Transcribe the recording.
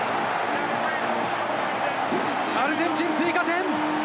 アルゼンチン追加点！